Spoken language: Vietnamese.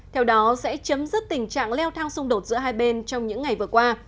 theo đó sẽ chấm dứt tình trạng leo thang xung đột giữa hai bên trong những ngày vừa qua